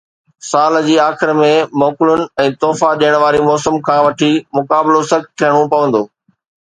سال جي آخر ۾ موڪلن ۽ تحفا ڏيڻ واري موسم کان وٺي، مقابلو سخت ٿيڻو پوندو